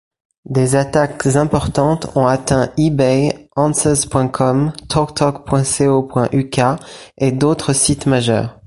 Des attaques importantes ont atteint eBay, answers.com, talktalk.co.uk, et d'autres sites majeurs.